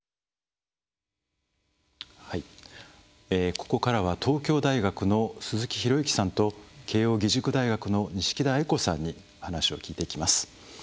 ここからは東京大学の鈴木啓之さんと慶應義塾大学の錦田愛子さんに話を聞いていきます。